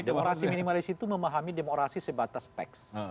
demokrasi minimalis itu memahami demokrasi sebatas teks